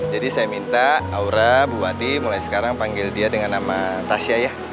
jadi saya minta aura bu ati mulai sekarang panggil dia dengan nama tasya ya